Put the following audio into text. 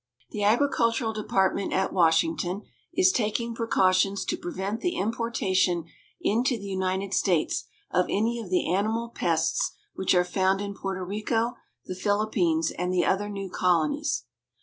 The Agricultural Department at Washington is taking precautions to prevent the importation into the United States of any of the animal pests which are found in Porto Rico, the Philippines, and the other new colonies.